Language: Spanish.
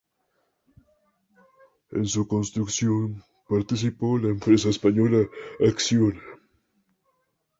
En su construcción participó la empresa española Acciona.